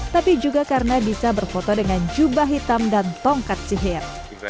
tapi juga karena bisa berfoto dengan jubah hitam dan tongkat sihir